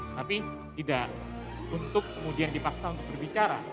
tapi tidak untuk kemudian dipaksa untuk berbicara